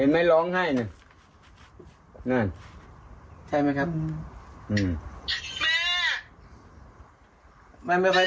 แม่ทำไมลูกจะจำแม่ไม่ได้